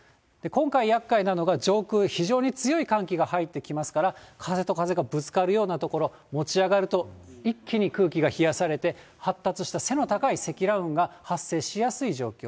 今回やっかいなのが、上空、非常に強い寒気が入ってきますから、風と風がぶつかるような所、持ち上がると、一気に空気が冷やされて、発達した背の高い積乱雲が発生しやすい状況。